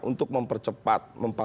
untuk mempercepat mempasang